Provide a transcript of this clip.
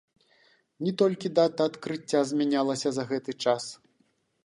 Не толькі дата адкрыцця змянялася за гэты час.